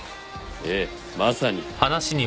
ええまさに。